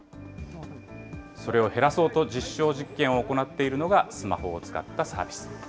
それを減らそうと実証実験を行っているのが、スマホを使ったサー